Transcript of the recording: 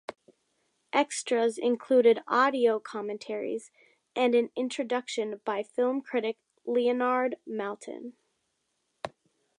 Extras included audio commentaries and an introduction by film critic Leonard Maltin.